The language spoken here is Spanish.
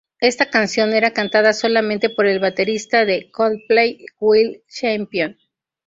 Esta canción era cantada solamente por el baterista de Coldplay, Will Champion.